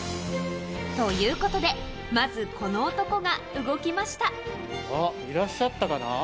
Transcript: ということで、まず、この男あっ、いらっしゃったかな？